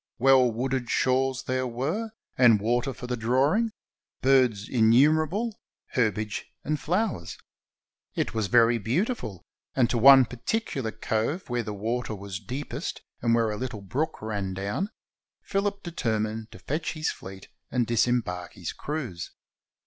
Well wooded shores there were, and water for the drawing, birds innumerable, herbage and flowers. It was very 482 THE FIRST AUSTRALIAN COLONISTS beautiful, and to one particular cove where the water was deepest, and where a little brook ran down, Phillip de termined to fetch his fleet and disembark his crews.